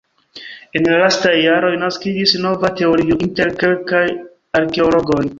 En la lastaj jaroj naskiĝis nova teorio inter kelkaj arkeologoj.